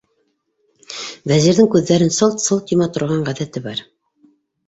Вәзирҙең күҙҙәрен сылт-сылт йома торған ғәҙәте бар.